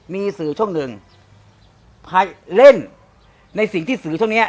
มีสื่อช่องหนึ่งเล่นในสิ่งที่สื่อช่องนี้